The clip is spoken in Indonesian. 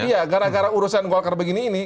iya gara gara urusan golkar begini ini